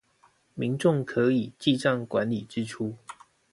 民眾可以記帳管理支出